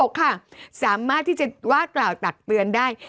ข้อ๖ค่ะสามารถที่จะวาดกล่าวตัดเตือนได้